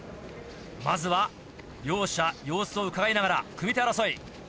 まずは両者様子を伺いながら組手争い。